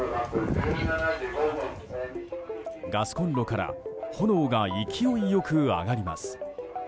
ガスコンロから炎が勢いよく上がります。